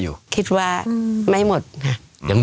ลูกหายง